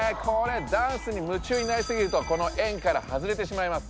ダンスに夢中になりすぎるとこのえんからはずれてしまいます。